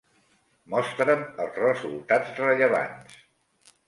Mostra'm els resultats rellevants.